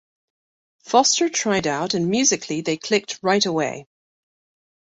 Foster tried out and musically they clicked right away.